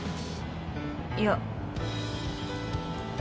いや。